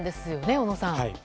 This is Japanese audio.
小野さん。